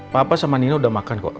papa sama nino udah makan kok